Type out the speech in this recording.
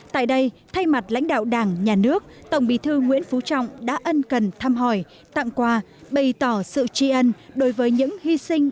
tại đây thay mặt lãnh đạo đảng nhà nước tổng bí thư nguyễn phú trọng đã ân cần thăm hỏi tặng quà bày tỏ sự tri ân đối với những hy sinh